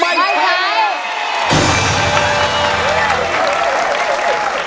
ไม่ใช้ครับ